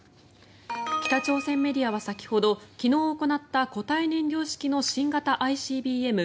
北朝鮮メディアは先ほど昨日行った固体燃料式の新型ＩＣＢＭ